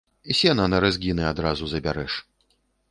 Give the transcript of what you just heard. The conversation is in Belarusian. Сена на рэзгіны адразу забярэш.